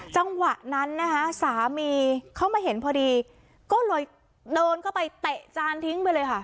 จังหวะนั้นนะคะสามีเขามาเห็นพอดีก็เลยเดินเข้าไปเตะจานทิ้งไปเลยค่ะ